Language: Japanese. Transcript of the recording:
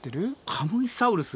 カムイサウルス？